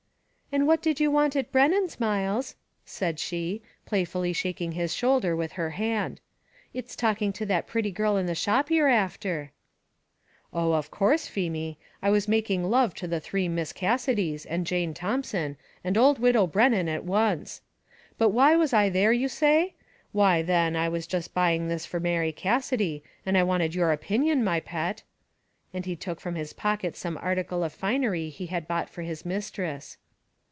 "And what did you want at Brennan's, Myles?" said she, playfully shaking his shoulder with her hand; "it's talking to that pretty girl in the shop you're after." "Oh, of course, Feemy; I was making love to the three Miss Cassidys, and Jane Thompson, and old widow Brennan at once. But why was I there, you say? why then, I was just buying this for Mary Cassidy, and I wanted your opinion, my pet;" and he took from his pocket some article of finery he had bought for his mistress.